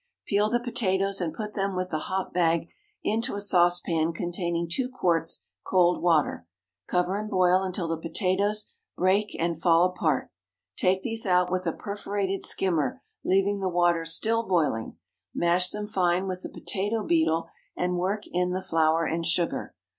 Peel the potatoes, and put them with the hop bag into a saucepan containing two quarts cold water. Cover and boil until the potatoes break and fall apart. Take these out with a perforated skimmer, leaving the water still boiling, mash them fine with a potato beetle, and work in the flour and sugar.